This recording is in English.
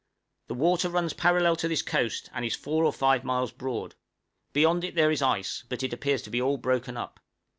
The water runs parallel to this coast, and is four or five miles broad; beyond it there is ice, but it appears to be all broken up.